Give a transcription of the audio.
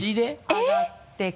えっ！